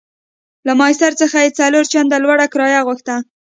له ماسیر څخه یې څلور چنده لوړه کرایه غوښته.